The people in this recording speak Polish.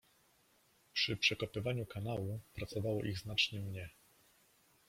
Przy przekopywaniu kanału pracowało ich znacznie mnie.